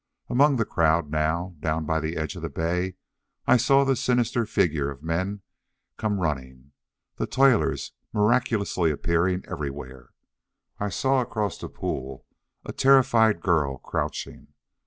Among the crowd now, down by the edge of the bay, I saw the sinister figures of men come running. The toilers, miraculously appearing everywhere! I saw, across the pool, a terrified girl crouching.